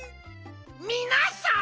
みなさん！